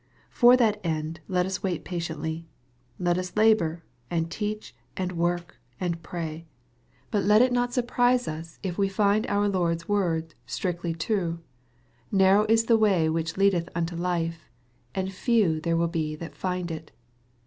For that end let ua wait patiently. Let us labor, and teach, and work, and pray. But let it not surprise us if we find out MARK, CHAP. XIII. 277 Lord's word strictly true :" Nairow is the way which leadeth unto life, and few there he that find it."